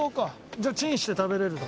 じゃあチンして食べれる。